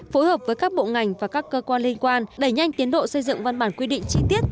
phối hợp với các bộ ngành và các cơ quan liên quan đẩy nhanh tiến độ xây dựng văn bản quy định chi tiết